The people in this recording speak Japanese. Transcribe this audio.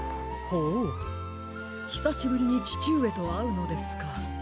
ほうひさしぶりにちちうえとあうのですか。